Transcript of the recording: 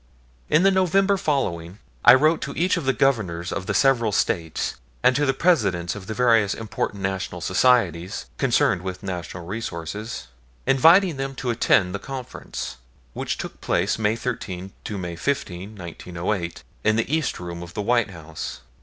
In the November following I wrote to each of the Governors of the several States and to the Presidents of various important National Societies concerned with natural resources, inviting them to attend the conference, which took place May 13 to 15, 1908, in the East Room of the White House.